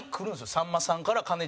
さんまさんからかねち